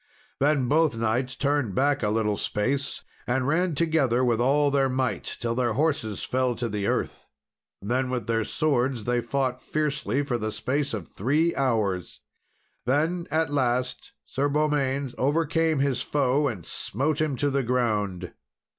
Then both knights turned back a little space, and ran together with all their might, till their horses fell to the earth. Then, with their swords, they fought fiercely for the space of three hours. And at last, Sir Beaumains overcame his foe, and smote him to the ground.